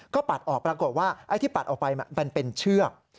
เธอปาดออกปรากฏว่าอย่างปลาดออกไปมันเป็นเชือก